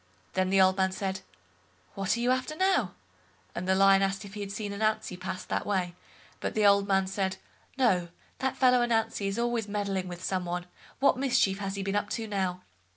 Then the old man said, "What are you after now? "and the Lion asked if he had seen Ananzi pass that way, but the old man said "No, that fellow Ananzi is always meddling with some one; what mischief has he been up to now?"